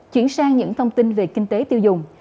chuyển sang những thông tin về kinh tế tiêu dùng